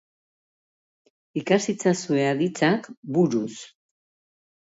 Ikas itzazue aditzak buruz.